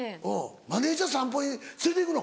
マネジャー散歩に連れて行くの？